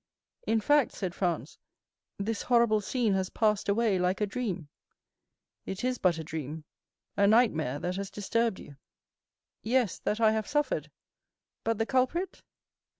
"In fact," said Franz, "this horrible scene has passed away like a dream." "It is but a dream, a nightmare, that has disturbed you." "Yes, that I have suffered; but the culprit?"